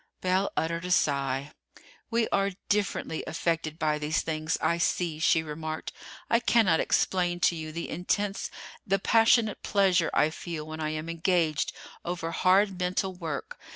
Belle uttered a sigh. "We are differently affected by these things, I see," she remarked. "I cannot explain to you the intense, the passionate pleasure I feel when I am engaged over hard mental work.